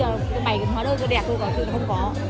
ý là cái bày hóa đơn rất đẹp thôi thật sự là không có